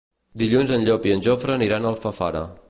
Dilluns en Llop i en Jofre aniran a Alfafara.